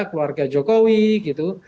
keluarga jokowi gitu